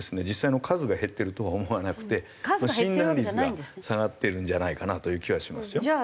実際の数が減ってるとは思わなくて診断率が下がっているんじゃないかなという気はしますよ。